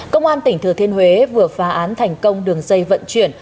công an tỉnh thừa thiên huế vừa phá án thành công đường dây vận chuyển